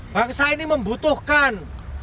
bangsa ini membutuhkan